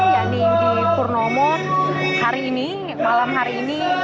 yanni yudi purnomo hari ini malam hari ini